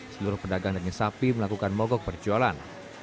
seluruh pedagang daging sapi melakukan mogok berjualan